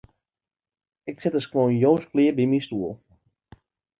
Ik set de skuon jûns klear by myn stoel.